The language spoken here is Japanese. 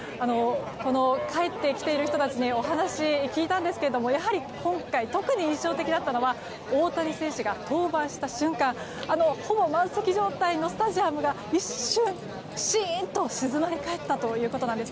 帰ってきている人たちにお話を聞いたんですがやはり今回特に印象的だったのが大谷選手が登板した瞬間ほぼ満席状態のスタジアムが一瞬、しーんと静まり返ったということです。